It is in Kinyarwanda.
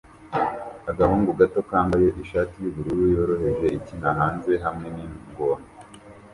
Agahungu gato kambaye ishati yubururu yoroheje ikina hanze hamwe ningona